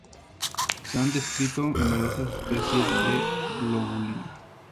Se han descrito numerosas especies de "Globulina".